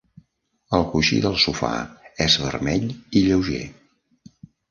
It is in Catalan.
El coixí del sofà és vermell i lleuger.